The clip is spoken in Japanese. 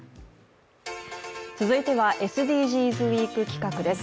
続いてはＳＤＧｓウイーク企画です。